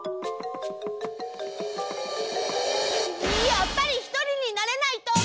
やっぱりひとりになれないとダメ！